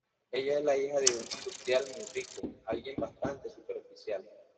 Ella es la hija de un industrial muy rico, alguien bastante superficial.